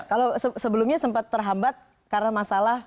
kalau sebelumnya sempat terhambat karena masalah